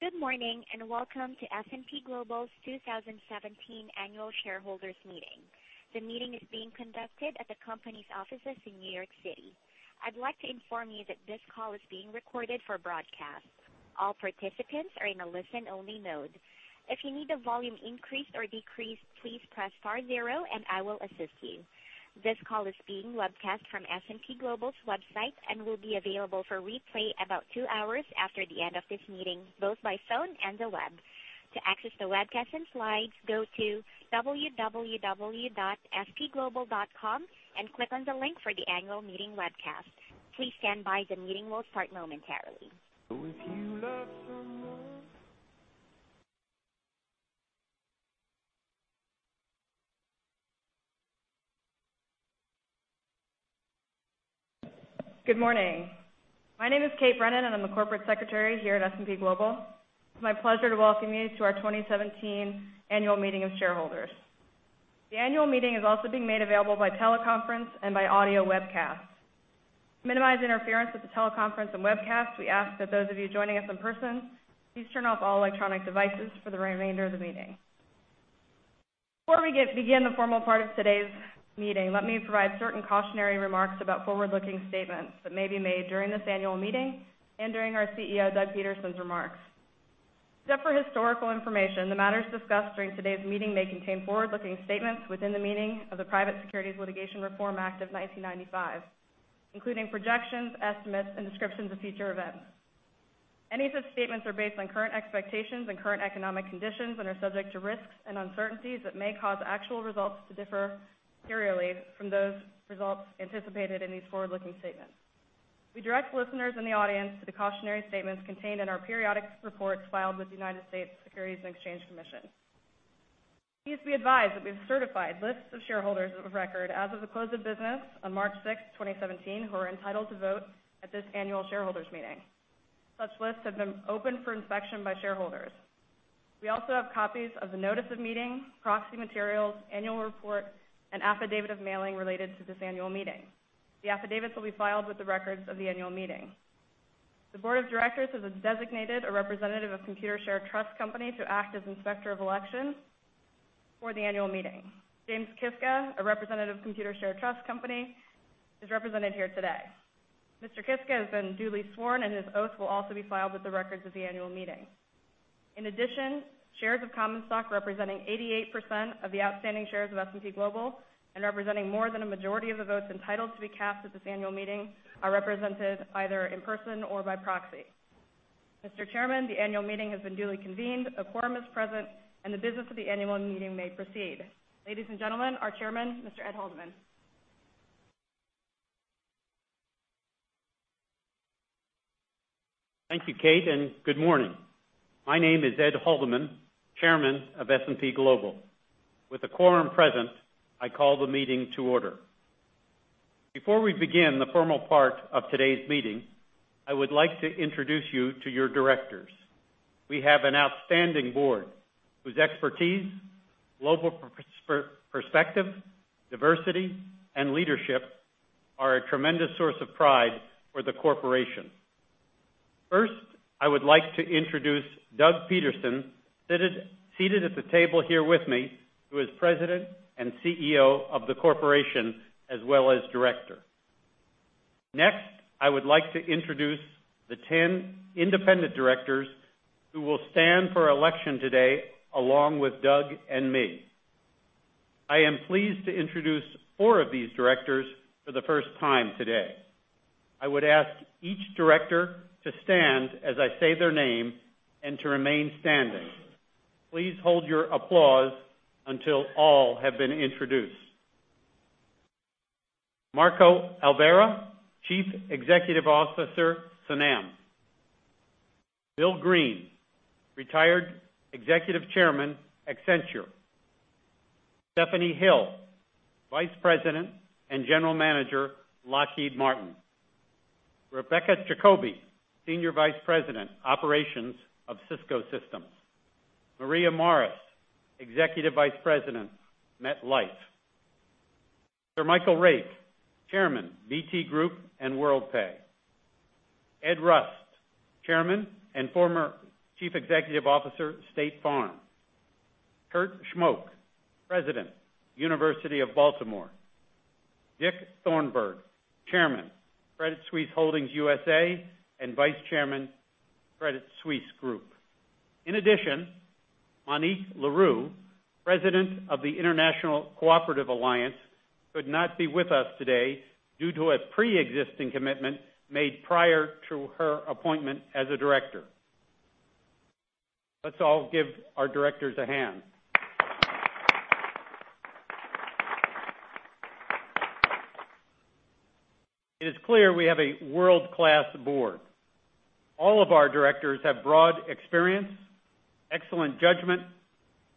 Good morning, welcome to S&P Global's 2017 annual shareholders meeting. The meeting is being conducted at the company's offices in New York City. I'd like to inform you that this call is being recorded for broadcast. All participants are in a listen-only mode. If you need the volume increased or decreased, please press star zero and I will assist you. This call is being webcast from S&P Global's website and will be available for replay about two hours after the end of this meeting, both by phone and the web. To access the webcast and slides, go to www.spglobal.com and click on the link for the annual meeting webcast. Please stand by. The meeting will start momentarily. Good morning. My name is Kate Brennan, and I'm the corporate secretary here at S&P Global. It's my pleasure to welcome you to our 2017 annual meeting of shareholders. The annual meeting is also being made available by teleconference and by audio webcast. To minimize interference with the teleconference and webcast, we ask that those of you joining us in person please turn off all electronic devices for the remainder of the meeting. Before we begin the formal part of today's meeting, let me provide certain cautionary remarks about forward-looking statements that may be made during this annual meeting and during our CEO, Doug Peterson's remarks. Except for historical information, the matters discussed during today's meeting may contain forward-looking statements within the meaning of the Private Securities Litigation Reform Act of 1995, including projections, estimates, and descriptions of future events. Any such statements are based on current expectations and current economic conditions and are subject to risks and uncertainties that may cause actual results to differ materially from those results anticipated in these forward-looking statements. We direct listeners in the audience to the cautionary statements contained in our periodic reports filed with the United States Securities and Exchange Commission. Please be advised that we've certified lists of shareholders of record as of the close of business on March 6th, 2017, who are entitled to vote at this annual shareholders' meeting. Such lists have been open for inspection by shareholders. We also have copies of the notice of meeting, proxy materials, annual report, and affidavit of mailing related to this annual meeting. The affidavits will be filed with the records of the annual meeting. The board of directors has designated a representative of Computershare Trust Company to act as inspector of elections for the annual meeting. James Kiska, a representative of Computershare Trust Company, is represented here today. Mr. Kiska has been duly sworn, and his oath will also be filed with the records of the annual meeting. In addition, shares of common stock representing 88% of the outstanding shares of S&P Global and representing more than a majority of the votes entitled to be cast at this annual meeting are represented either in person or by proxy. Mr. Chairman, the annual meeting has been duly convened, a quorum is present, and the business of the annual meeting may proceed. Ladies and gentlemen, our Chairman, Mr. Ed Haldeman. Thank you, Kate, and good morning. My name is Ed Haldeman, Chairman of S&P Global. With a quorum present, I call the meeting to order. Before we begin the formal part of today's meeting, I would like to introduce you to your directors. We have an outstanding board whose expertise, global perspective, diversity, and leadership are a tremendous source of pride for the corporation. First, I would like to introduce Doug Peterson, seated at the table here with me, who is President and CEO of the corporation as well as director. Next, I would like to introduce the 10 independent directors who will stand for election today, along with Doug and me. I am pleased to introduce four of these directors for the first time today. I would ask each director to stand as I say their name and to remain standing. Please hold your applause until all have been introduced. Marco Alverà, Chief Executive Officer, Snam. Bill Green, retired Executive Chairman, Accenture. Stephanie Hill, Vice President and General Manager, Lockheed Martin. Rebecca Jacoby, Senior Vice President, Operations of Cisco Systems. Maria Morris, Executive Vice President, MetLife. Sir Michael Rake, Chairman, BT Group and Worldpay. Ed Rust, Chairman and former Chief Executive Officer, State Farm. Kurt Schmoke, President, University of Baltimore. Dick Thornburgh, Chairman, Credit Suisse Holdings USA and Vice Chairman, Credit Suisse Group. In addition, Monique Leroux, President of the International Cooperative Alliance, could not be with us today due to a preexisting commitment made prior to her appointment as a director. Let's all give our directors a hand. It is clear we have a world-class board. All of our directors have broad experience, excellent judgment,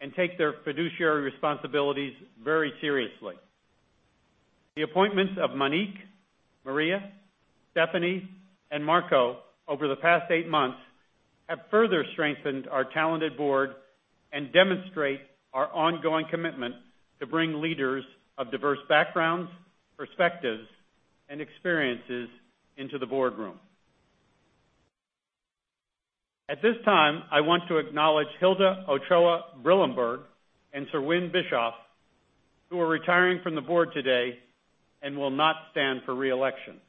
and take their fiduciary responsibilities very seriously. The appointments of Monique, Maria, Stephanie, and Marco over the past eight months have further strengthened our talented board and demonstrate our ongoing commitment to bring leaders of diverse backgrounds, perspectives and experiences into the boardroom. At this time, I want to acknowledge Hilda Ochoa-Brillembourg and Sir Win Bischoff, who are retiring from the board today and will not stand for re-election.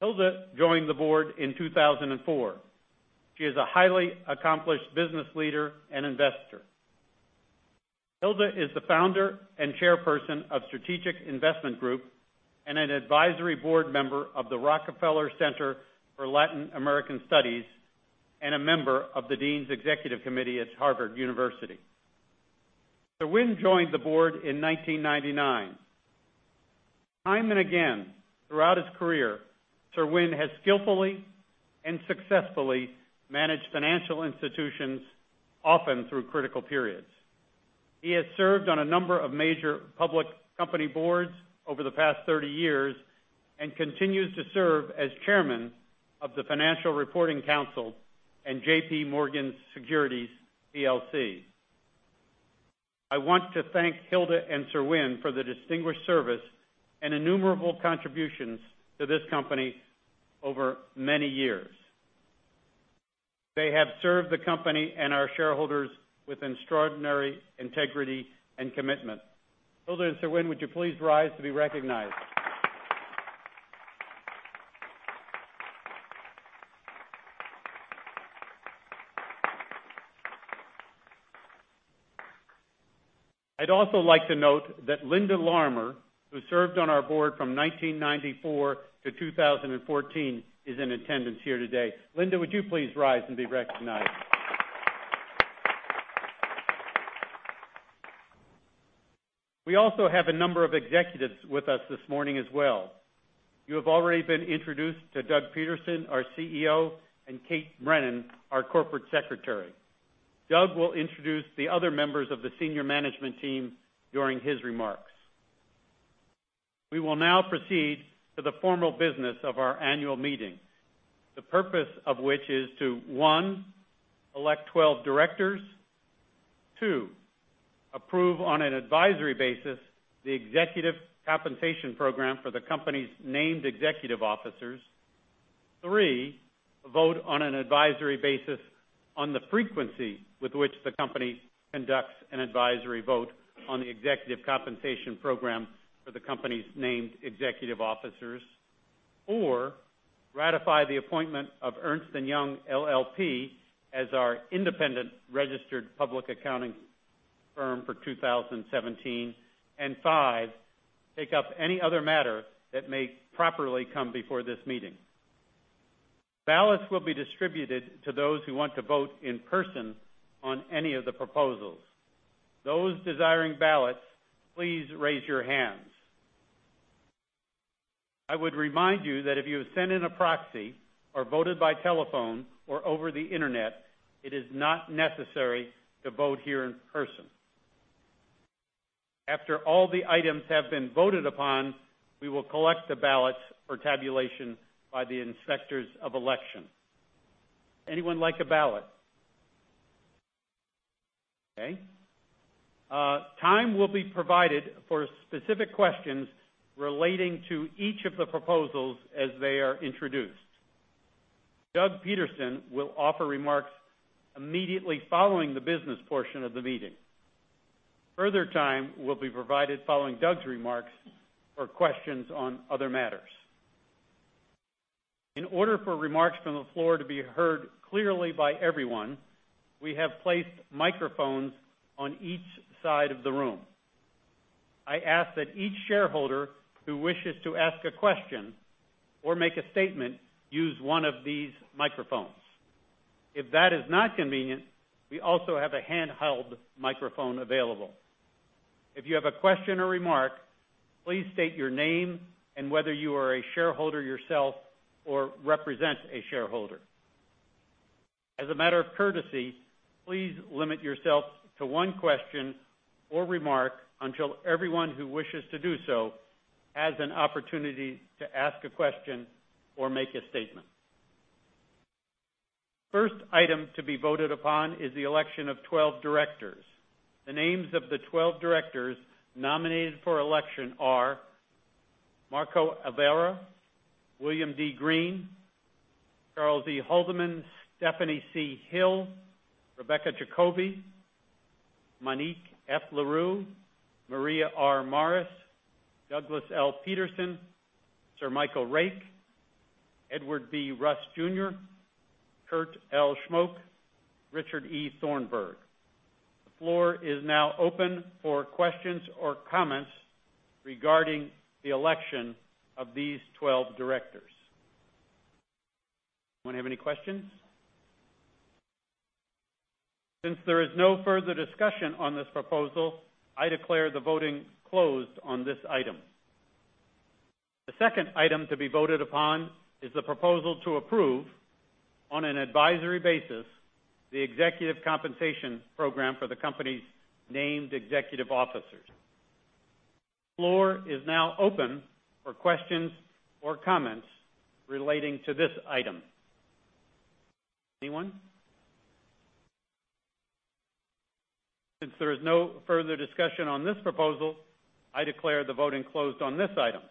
Hilda joined the board in 2004. She is a highly accomplished business leader and investor. Hilda is the Founder and Chairperson of Strategic Investment Group, and an advisory board member of the Rockefeller Center for Latin American Studies, and a member of the Dean's Executive Committee at Harvard University. Sir Win joined the board in 1999. Time and again, throughout his career, Sir Win has skillfully and successfully managed financial institutions, often through critical periods. He has served on a number of major public company boards over the past 30 years and continues to serve as Chairman of the Financial Reporting Council and J.P. Morgan Securities LLC. I want to thank Hilda and Sir Win for the distinguished service and innumerable contributions to this company over many years. They have served the company and our shareholders with extraordinary integrity and commitment. Hilda and Sir Win, would you please rise to be recognized? I would also like to note that Linda Lorimer, who served on our board from 1994 to 2014, is in attendance here today. Linda, would you please rise and be recognized? We also have a number of executives with us this morning as well. You have already been introduced to Doug Peterson, our CEO, and Kate Brennan, our Corporate Secretary. Doug will introduce the other members of the senior management team during his remarks. We will now proceed to the formal business of our annual meeting, the purpose of which is to, one, elect 12 directors. Two, approve on an advisory basis the executive compensation program for the company's named executive officers. Three, vote on an advisory basis on the frequency with which the company conducts an advisory vote on the executive compensation program for the company's named executive officers. Four, ratify the appointment of Ernst & Young LLP as our independent registered public accounting firm for 2017. Five, take up any other matter that may properly come before this meeting. Ballots will be distributed to those who want to vote in person on any of the proposals. Those desiring ballots, please raise your hands. I would remind you that if you have sent in a proxy or voted by telephone or over the internet, it is not necessary to vote here in person. After all the items have been voted upon, we will collect the ballots for tabulation by the inspectors of election. Anyone like a ballot? Okay. Time will be provided for specific questions relating to each of the proposals as they are introduced. Doug Peterson will offer remarks immediately following the business portion of the meeting. Further time will be provided following Doug's remarks for questions on other matters. In order for remarks from the floor to be heard clearly by everyone, we have placed microphones on each side of the room. I ask that each shareholder who wishes to ask a question or make a statement use one of these microphones. If that is not convenient, we also have a handheld microphone available. If you have a question or remark, please state your name and whether you are a shareholder yourself or represent a shareholder. As a matter of courtesy, please limit yourself to one question or remark until everyone who wishes to do so has an opportunity to ask a question or make a statement. First item to be voted upon is the election of 12 directors. The names of the 12 directors nominated for election are Marco Alverà, William D. Green, Charles E. Haldeman, Stephanie C. Hill, Rebecca Jacoby, Monique F. Leroux, Maria R. Morris, Douglas L. Peterson, Sir Michael Rake, Edward B. Rust, Jr., Kurt L. Schmoke, Richard E. Thornburgh. The floor is now open for questions or comments regarding the election of these 12 directors. Anyone have any questions? Since there is no further discussion on this proposal, I declare the voting closed on this item. The second item to be voted upon is the proposal to approve, on an advisory basis, the executive compensation program for the company's named executive officers. Floor is now open for questions or comments relating to this item. Anyone? Since there is no further discussion on this proposal, I declare the voting closed on this item.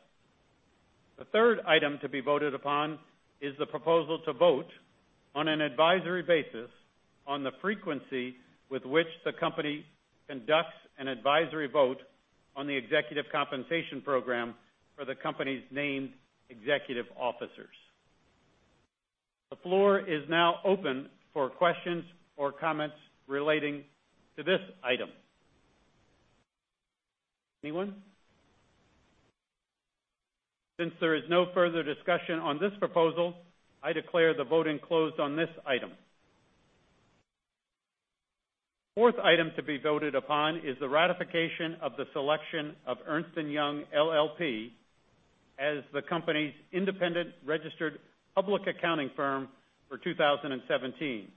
The third item to be voted upon is the proposal to vote on an advisory basis on the frequency with which the company conducts an advisory vote on the executive compensation program for the company's named executive officers. The floor is now open for questions or comments relating to this item. Anyone? Since there is no further discussion on this proposal, I declare the voting closed on this item. Fourth item to be voted upon is the ratification of the selection of Ernst & Young LLP as the company's independent registered public accounting firm for 2017.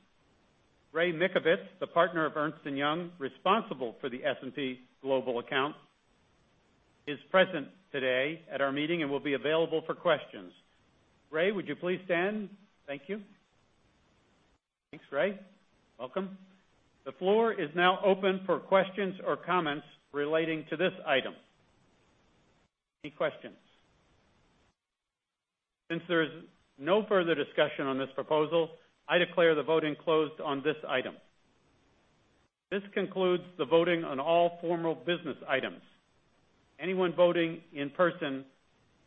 Ray Mikovits, the partner of Ernst & Young, responsible for the S&P Global account, is present today at our meeting and will be available for questions. Ray, would you please stand? Thank you. Thanks, Ray. Welcome. The floor is now open for questions or comments relating to this item. Any questions? Since there is no further discussion on this proposal, I declare the voting closed on this item. This concludes the voting on all formal business items. Anyone voting in person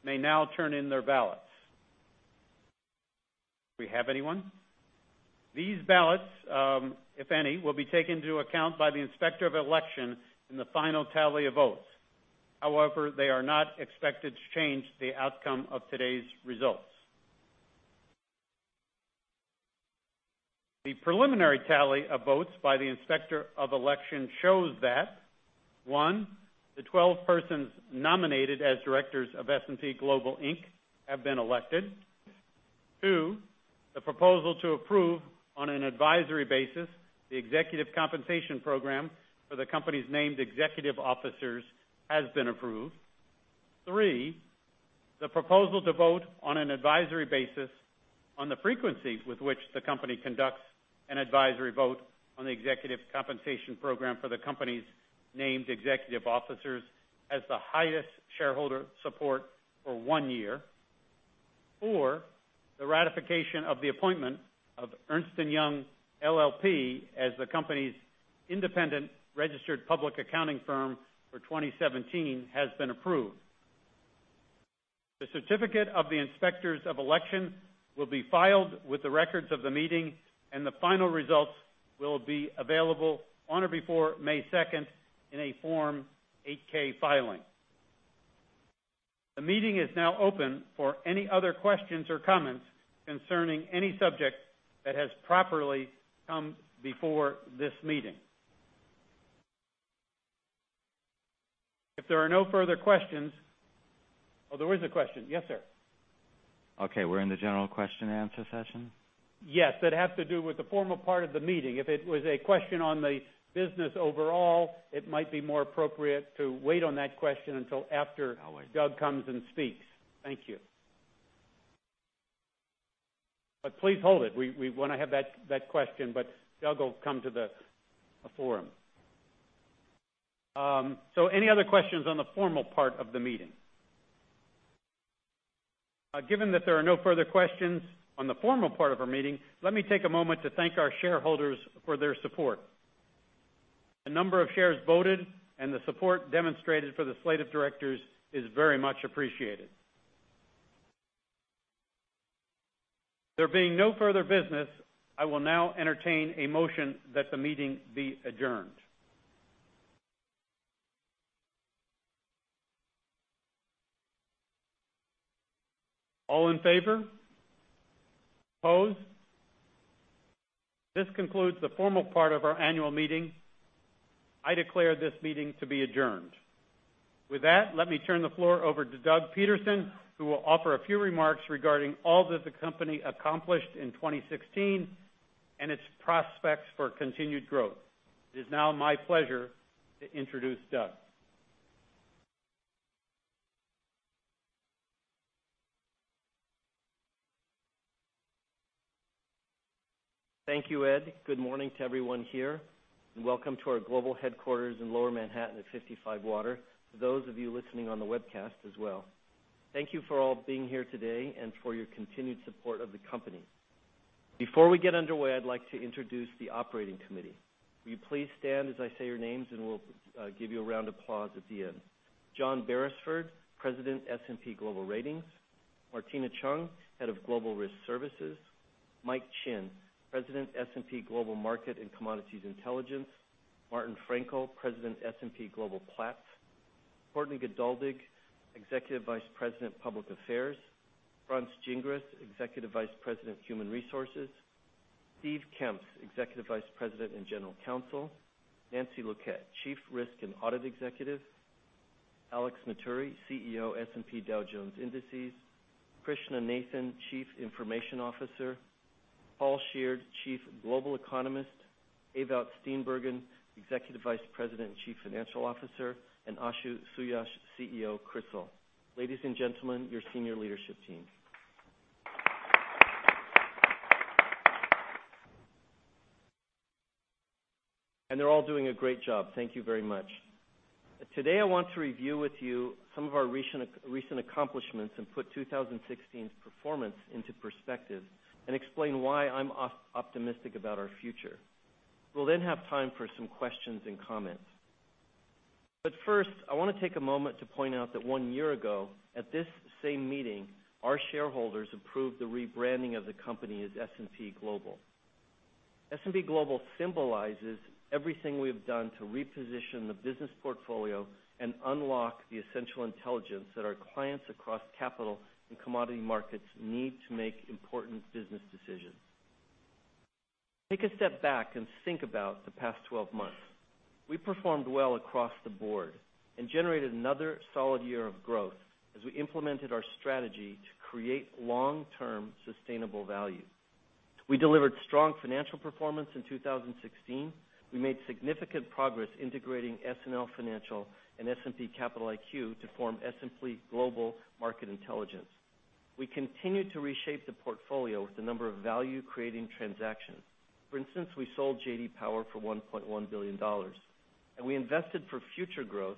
may now turn in their ballots. Do we have anyone? These ballots, if any, will be taken into account by the Inspector of Election in the final tally of votes. However, they are not expected to change the outcome of today's results. The preliminary tally of votes by the Inspector of Election shows that, one, the 12 persons nominated as directors of S&P Global Inc. have been elected. Two, the proposal to approve on an advisory basis the executive compensation program for the company's named executive officers has been approved. Three, the proposal to vote on an advisory basis on the frequency with which the company conducts an advisory vote on the executive compensation program for the company's named executive officers has the highest shareholder support for one year. Four, the ratification of the appointment of Ernst & Young LLP as the company's independent registered public accounting firm for 2017 has been approved. The certificate of the Inspectors of Election will be filed with the records of the meeting and the final results will be available on or before May 2nd in a Form 8-K filing. The meeting is now open for any other questions or comments concerning any subject that has properly come before this meeting. If there are no further questions Oh, there is a question. Yes, sir. Okay, we're in the general question and answer session? Yes, that have to do with the formal part of the meeting. If it was a question on the business overall, it might be more appropriate to wait on that question until. Always. Doug comes and speaks. Thank you. Please hold it. We want to have that question, but Doug will come to the forum. Any other questions on the formal part of the meeting? Given that there are no further questions on the formal part of our meeting, let me take a moment to thank our shareholders for their support. The number of shares voted and the support demonstrated for the slate of directors is very much appreciated. There being no further business, I will now entertain a motion that the meeting be adjourned. All in favor? Opposed? This concludes the formal part of our annual meeting. I declare this meeting to be adjourned. With that, let me turn the floor over to Douglas Peterson, who will offer a few remarks regarding all that the company accomplished in 2016 and its prospects for continued growth. It is now my pleasure to introduce Doug. Thank you, Ed. Good morning to everyone here and welcome to our global headquarters in Lower Manhattan at 55 Water. For those of you listening on the webcast as well. Thank you for all being here today and for your continued support of the company. Before we get underway, I'd like to introduce the operating committee. Will you please stand as I say your names, and we'll give you a round of applause at the end. John Berisford, President, S&P Global Ratings. Martina Cheung, Head of Global Risk Services. Mike Chinn, President, S&P Global Market and Commodities Intelligence. Martin Fraenkel, President, S&P Global Platts. Courtney Geduldig, Executive Vice President, Public Affairs. France Gingras, Executive Vice President of Human Resources. Steve Kemps, Executive Vice President and General Counsel. Nancy Luquette, Chief Risk and Audit Executive. Alex Matturri, CEO, S&P Dow Jones Indices. Krishna Nathan, Chief Information Officer. Paul Sheard, Chief Global Economist. Ewout Steenbergen, Executive Vice President and Chief Financial Officer, and Ashu Suyash, CEO, CRISIL. Ladies and gentlemen, your senior leadership team. They're all doing a great job. Thank you very much. Today, I want to review with you some of our recent accomplishments and put 2016's performance into perspective and explain why I'm optimistic about our future. We'll then have time for some questions and comments. First, I want to take a moment to point out that one year ago, at this same meeting, our shareholders approved the rebranding of the company as S&P Global. S&P Global symbolizes everything we have done to reposition the business portfolio and unlock the essential intelligence that our clients across capital and commodity markets need to make important business decisions. Take a step back and think about the past 12 months. We performed well across the board and generated another solid year of growth as we implemented our strategy to create long-term sustainable value. We delivered strong financial performance in 2016. We made significant progress integrating SNL Financial and S&P Capital IQ to form S&P Global Market Intelligence. We continued to reshape the portfolio with a number of value-creating transactions. For instance, we sold J.D. Power for $1.1 billion, and we invested for future growth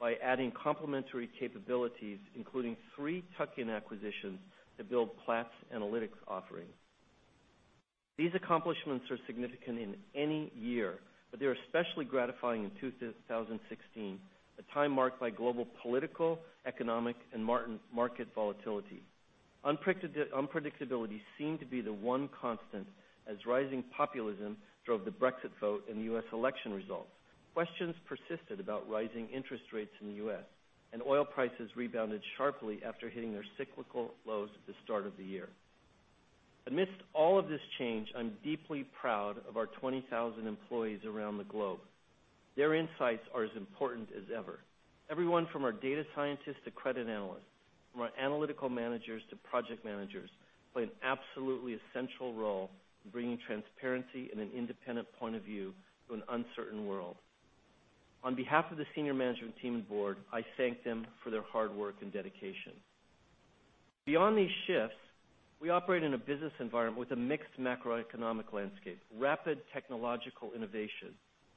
by adding complementary capabilities, including three tuck-in acquisitions to build Platts Analytics offering. These accomplishments are significant in any year, but they're especially gratifying in 2016, a time marked by global political, economic, and market volatility. Unpredictability seemed to be the one constant as rising populism drove the Brexit vote and the U.S. election results. Questions persisted about rising interest rates in the U.S., oil prices rebounded sharply after hitting their cyclical lows at the start of the year. Amidst all of this change, I'm deeply proud of our 20,000 employees around the globe. Their insights are as important as ever. Everyone from our data scientists to credit analysts, from our analytical managers to project managers, play an absolutely essential role in bringing transparency and an independent point of view to an uncertain world. On behalf of the senior management team and board, I thank them for their hard work and dedication. Beyond these shifts, we operate in a business environment with a mixed macroeconomic landscape, rapid technological innovation,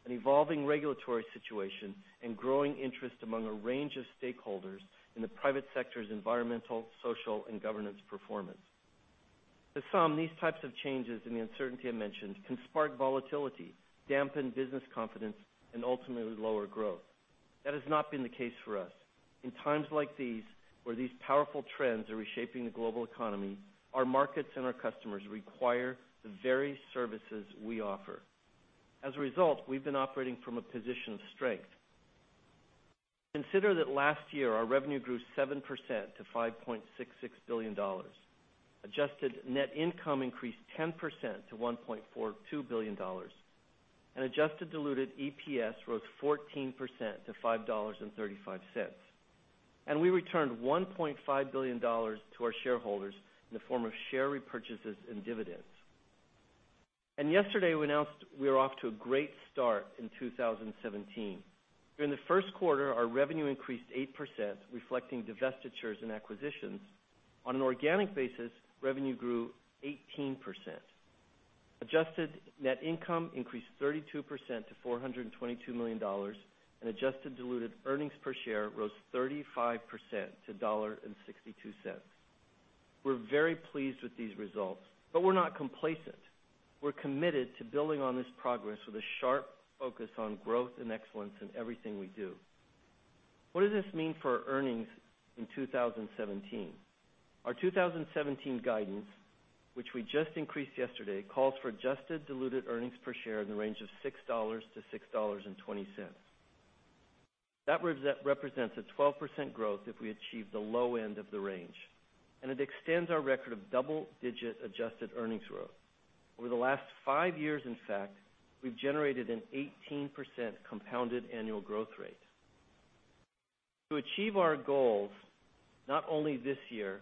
an evolving regulatory situation, and growing interest among a range of stakeholders in the private sector's environmental, social, and governance performance. To some, these types of changes and the uncertainty I mentioned can spark volatility, dampen business confidence, and ultimately lower growth. That has not been the case for us. In times like these, where these powerful trends are reshaping the global economy, our markets and our customers require the very services we offer. As a result, we've been operating from a position of strength. Consider that last year, our revenue grew 7% to $5.66 billion. Adjusted net income increased 10% to $1.42 billion, and adjusted diluted EPS rose 14% to $5.35. We returned $1.5 billion to our shareholders in the form of share repurchases and dividends. Yesterday, we announced we are off to a great start in 2017. During the first quarter, our revenue increased 8%, reflecting divestitures and acquisitions. On an organic basis, revenue grew 18%. Adjusted net income increased 32% to $422 million, and adjusted diluted earnings per share rose 35% to $1.62. We're very pleased with these results, but we're not complacent. We're committed to building on this progress with a sharp focus on growth and excellence in everything we do. What does this mean for earnings in 2017? Our 2017 guidance, which we just increased yesterday, calls for adjusted diluted earnings per share in the range of $6-$6.20. That represents a 12% growth if we achieve the low end of the range, and it extends our record of double-digit adjusted earnings growth. Over the last five years, in fact, we've generated an 18% compounded annual growth rate. To achieve our goals, not only this year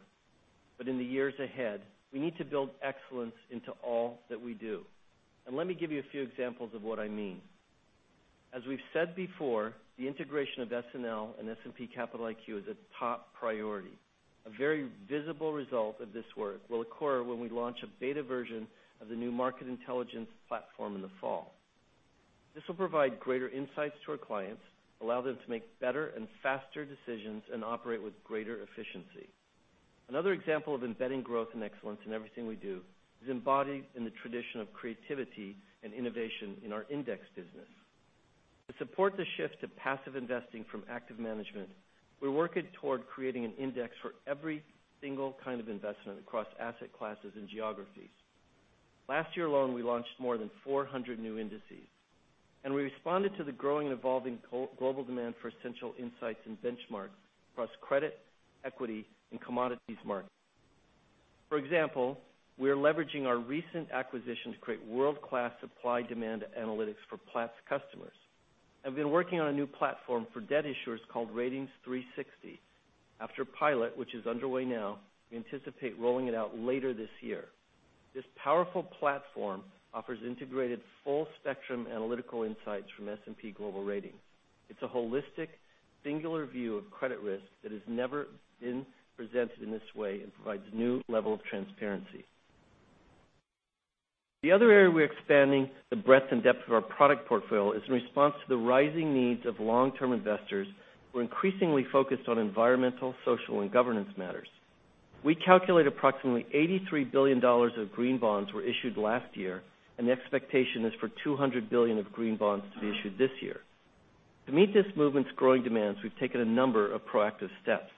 but in the years ahead, we need to build excellence into all that we do. Let me give you a few examples of what I mean. As we've said before, the integration of SNL and S&P Capital IQ is a top priority. A very visible result of this work will occur when we launch a beta version of the new Market Intelligence platform in the fall. This will provide greater insights to our clients, allow them to make better and faster decisions, and operate with greater efficiency. Another example of embedding growth and excellence in everything we do is embodied in the tradition of creativity and innovation in our index business. To support the shift to passive investing from active management, we're working toward creating an index for every single kind of investment across asset classes and geographies. Last year alone, we launched more than 400 new indices, and we responded to the growing, evolving global demand for essential insights and benchmarks across credit, equity, and commodities markets. For example, we are leveraging our recent acquisition to create world-class supply-demand analytics for Platts customers. I've been working on a new platform for debt issuers called Ratings360. After a pilot, which is underway now, we anticipate rolling it out later this year. This powerful platform offers integrated full-spectrum analytical insights from S&P Global Ratings. It's a holistic, singular view of credit risk that has never been presented in this way and provides a new level of transparency. The other area we're expanding the breadth and depth of our product portfolio is in response to the rising needs of long-term investors who are increasingly focused on environmental, social, and governance matters. We calculate approximately $83 billion of green bonds were issued last year, and the expectation is for $200 billion of green bonds to be issued this year. To meet this movement's growing demands, we've taken a number of proactive steps.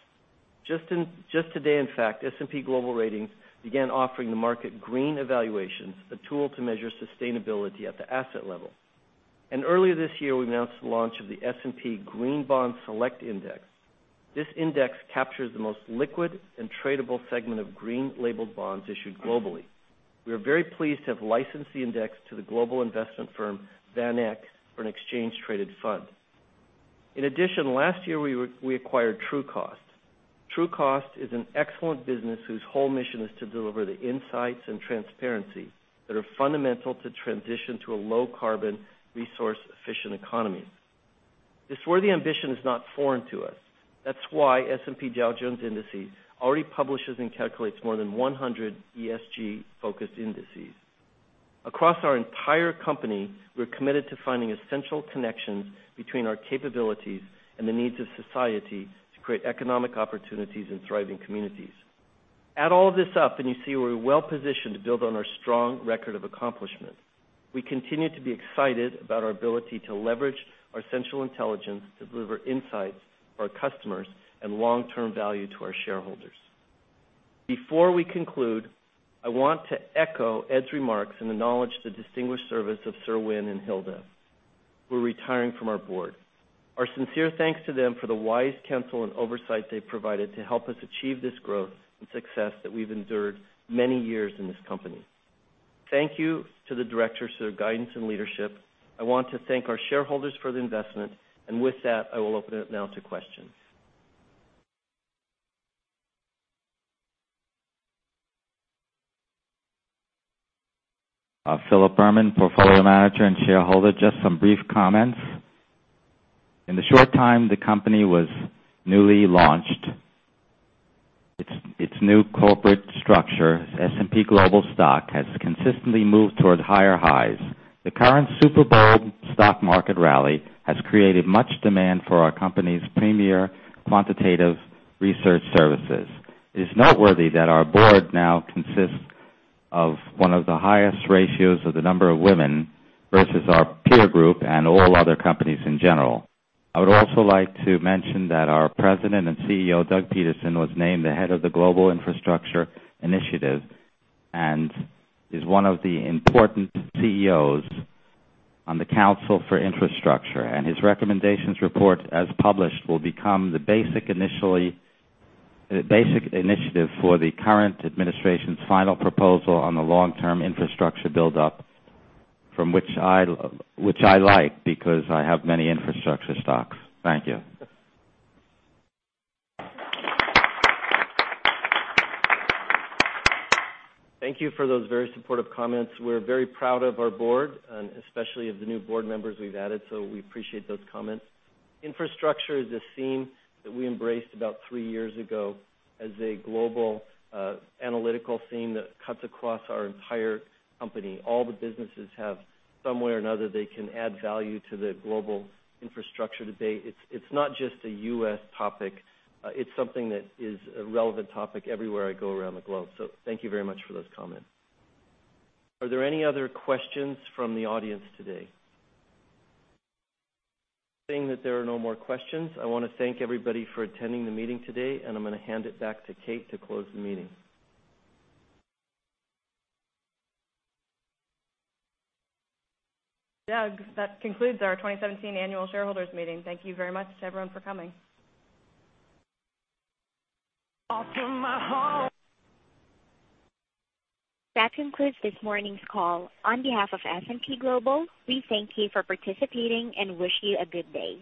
Just today, in fact, S&P Global Ratings began offering the market green evaluations, a tool to measure sustainability at the asset level. Earlier this year, we announced the launch of the S&P Green Bond Select Index. This index captures the most liquid and tradable segment of green-labeled bonds issued globally. We are very pleased to have licensed the index to the global investment firm, VanEck, for an exchange-traded fund. In addition, last year, we acquired Trucost. Trucost is an excellent business whose whole mission is to deliver the insights and transparency that are fundamental to transition to a low-carbon, resource-efficient economy. This worthy ambition is not foreign to us. That's why S&P Dow Jones Indices already publishes and calculates more than 100 ESG-focused indices. Across our entire company, we're committed to finding essential connections between our capabilities and the needs of society to create economic opportunities in thriving communities. Add all of this up and you see we're well-positioned to build on our strong record of accomplishment. We continue to be excited about our ability to leverage our central intelligence to deliver insights to our customers and long-term value to our shareholders. Before we conclude, I want to echo Ed's remarks and acknowledge the distinguished service of Sir Win and Hilda, who are retiring from our board. Our sincere thanks to them for the wise counsel and oversight they've provided to help us achieve this growth and success that we've endured many years in this company. Thank you to the directors for their guidance and leadership. I want to thank our shareholders for the investment. With that, I will open it now to questions. Philip Berman, portfolio manager and shareholder. Just some brief comments. In the short time the company was newly launched, its new corporate structure, S&P Global stock, has consistently moved toward higher highs. The current super bold stock market rally has created much demand for our company's premier quantitative research services. It is noteworthy that our board now consists of one of the highest ratios of the number of women versus our peer group and all other companies in general. I would also like to mention that our President and CEO, Douglas Peterson, was named the head of the Global Infrastructure Initiative and is one of the important CEOs on the Council for Infrastructure. His recommendations report, as published, will become the basic initiative for the current administration's final proposal on the long-term infrastructure buildup, which I like because I have many infrastructure stocks. Thank you. Thank you for those very supportive comments. We're very proud of our board, and especially of the new board members we've added. We appreciate those comments. Infrastructure is a theme that we embraced about 3 years ago as a global analytical theme that cuts across our entire company. All the businesses have, some way or another, they can add value to the global infrastructure debate. It's not just a U.S. topic. It's something that is a relevant topic everywhere I go around the globe. Thank you very much for those comments. Are there any other questions from the audience today? Seeing that there are no more questions, I want to thank everybody for attending the meeting today, and I'm going to hand it back to Kate to close the meeting. Doug, that concludes our 2017 annual shareholders meeting. Thank you very much to everyone for coming. That concludes this morning's call. On behalf of S&P Global, we thank you for participating and wish you a good day.